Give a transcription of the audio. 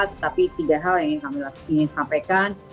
tetapi tiga hal yang ingin kami ingin sampaikan